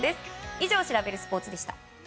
以上シラベルスポーツ！でした。